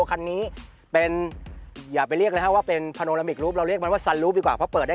คันนี้เป็นอย่าไปเรียกเลยฮะว่าเป็นเราเรียกมันว่าดีกว่าเพราะเปิดได้